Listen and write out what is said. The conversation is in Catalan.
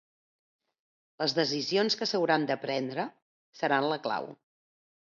Les decisions que s’hauran de prendre seran la clau.